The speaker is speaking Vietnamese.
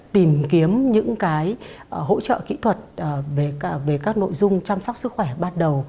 tìm kiếm những hỗ trợ kỹ thuật về các nội dung chăm sóc sức khỏe ban đầu